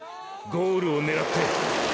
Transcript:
ゴールを狙って！！